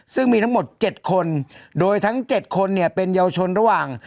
ซึ่งมีทั้งหมด๗คนโดยทั้ง๗คนเนี่ยเป็นเยาวชนระหว่าง